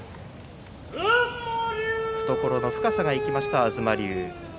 懐の深さが生きました東龍。